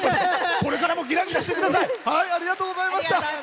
これからもぎらぎらしてください。